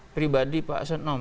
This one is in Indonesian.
pribadi pak senop